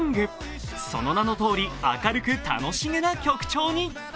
その名のとおり明るく楽しげな曲調に。